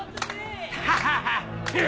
ハハハハ。